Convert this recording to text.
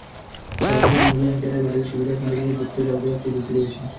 চার হাজার মিলিঅ্যাম্পিয়ারের ব্যাটারি সুবিধার ফোনটিতে দ্রুত চার্জ দেওয়ার প্রযুক্তি রয়েছে।